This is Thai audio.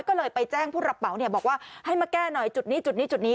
ก็เลยไปแจ้งผู้รับเหมาบอกว่าให้มาแก้หน่อยจุดนี้จุดนี้จุดนี้